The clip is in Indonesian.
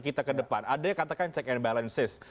kita ke depan ada yang katakan check and balances